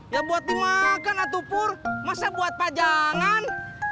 ya buat dimakan atupur masa buat pajangan